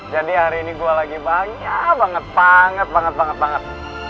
jadi hari ini gue lagi bahagia banget banget banget banget banget